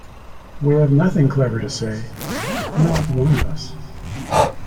We have nothing clever to say — not one of us.